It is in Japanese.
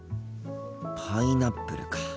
パイナップルか。